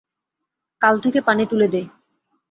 কাল থেকে পানি তুলে দেই।